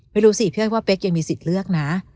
ไม่รู้สิพี่อ้อยว่าเป๊กยังมีสิทธิ์เลือกนะ